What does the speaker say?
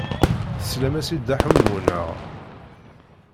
Teslam-as i Dda Ḥemmu, naɣ?